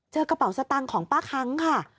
เจอกระเป๋าสตังของป้าค้างค่ะ